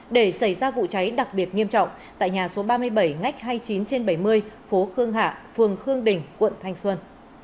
để xảy ra vụ cháy đặc biệt nghiêm trọng tại nhà số ba mươi bảy ngách hai mươi chín trên bảy mươi phố khương hạ phường khương đình quận thanh xuân